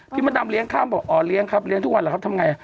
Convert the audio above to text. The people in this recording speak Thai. มดดำเลี้ยข้ามบอกอ๋อเลี้ยงครับเลี้ยงทุกวันเหรอครับทำไง